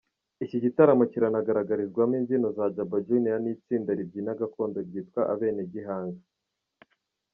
Iki gitaramo kiranagaragarizwamo imbyino za Jabba Junior n’itsinda ribyina gakondo ryitwa Abenegihanga.